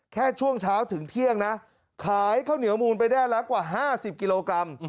ช่วงเช้าถึงเที่ยงนะขายข้าวเหนียวมูลไปได้ละกว่า๕๐กิโลกรัม